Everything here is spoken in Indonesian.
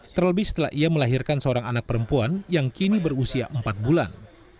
terlebih setelah ia melahirkan seorang anak perempuan yang kini berusia empat bulan